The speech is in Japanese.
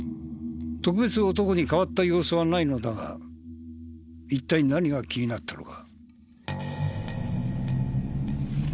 特別男に変わった様子はないのだが一体何が気になったのか？